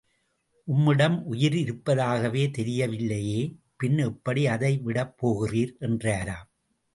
உம்மிடம் உயிர் இருப்பதாகவே தெரியவில்லையே பின் எப்படி அதை விடப் போகிறீர்? என்றாராம்.